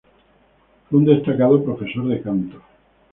Fue un destacado profesor de canto.